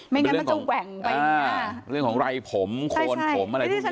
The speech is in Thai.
ไม่งั้นมันจะแหว่งไปอ่าเรื่องของไร่ผมคนผมอะไรอย่างงี้ใช่ใช่